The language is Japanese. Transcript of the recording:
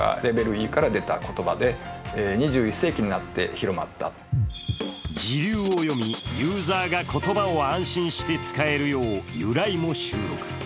他にも時流を読み、ユーザーが言葉を安心して使えるよう由来も収録。